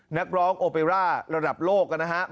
นักร้องโอเปราะห์ระดับโลกนะครับ